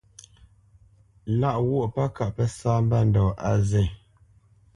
Lâʼ ghwô pə́ kâʼ pə́ sá mbândɔ̂ á zê.